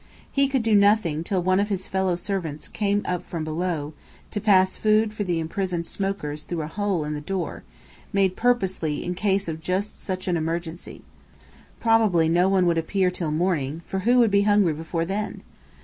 He could do nothing till one of his fellow servants came up from below, to pass the food for the imprisoned smokers through a hole in the door, made purposely in case of just such an emergency. Probably no one would appear till morning, for who would be hungry before then?